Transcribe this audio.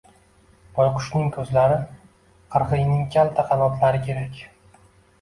Boyqushning ko‘zlari, qirg‘iyning kalta qanotlari kerak!